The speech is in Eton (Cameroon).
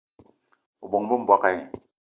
O bóng-be m'bogué!